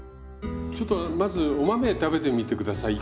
ちょっとまずお豆食べてみて下さい。